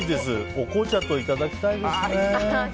お紅茶といただきたいですね。